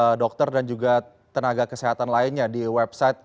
bagaimana dokter bisa mendapatkan tenaga kesehatan lainnya di website